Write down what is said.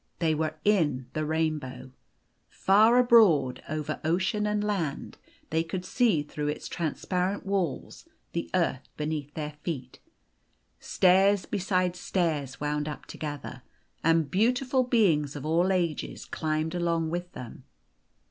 They were in the rainbow. Far abroad, over ocean, and land, they could see through its transparent walls the earth beneath their feet. Stairs beside stairs wound up together, and beautiful beings of all ages climbed along with them.